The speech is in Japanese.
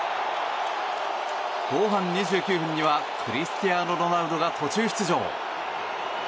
後半２９分にはクリスティアーノ・ロナウドが途中出場。